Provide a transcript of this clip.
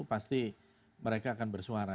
pasti mereka akan bersuara